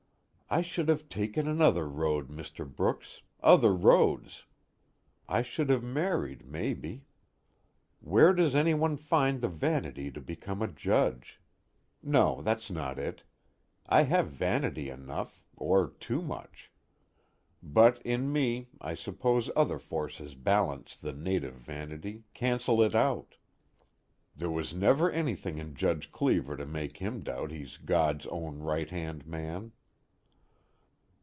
_ I should have taken another road, Mr. Brooks other roads. I should have married, maybe. _Where does anyone find the vanity to become a judge? No, that's not it. I have vanity enough, or too much. But in me, I suppose other forces balance the native vanity, cancel it out. There was never anything in Judge Cleever to make him doubt he's God's own right hand man.